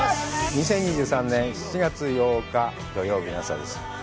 ２０２３年７月８日土曜日の朝です。